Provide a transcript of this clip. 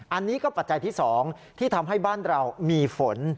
อันนี้ก็ปัจจัยที่๒ที่ทำให้บ้านเรามีฝน